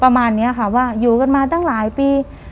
ประมาณนี้ค่ะว่าอยู่กันมาตั้งหลายปี